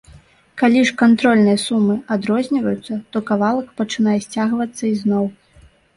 Калі ж кантрольныя сумы адрозніваюцца, то кавалак пачынае сцягвацца ізноў.